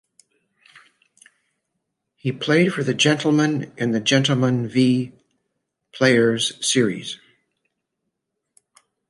He played for the Gentlemen in the Gentlemen v Players series.